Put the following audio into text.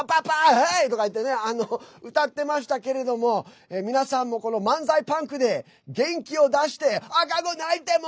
Ｈｅｙ！」とかいってね歌ってましたけれども皆さんも漫才パンクで元気を出して「赤子泣いても！」